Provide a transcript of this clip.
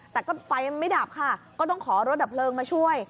แต่ก็ไฟมันไม่ดับค่ะก็ต้องขอรถดับเพลิงมาช่วย